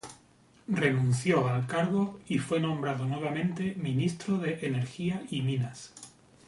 Renunció al cargo y fue nombrado nuevamente Ministro de Energía y Minas.